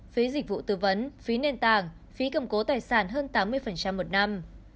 phí dịch vụ tư vấn phí nền tàng phí cầm cố tài sản hơn tám mươi một năm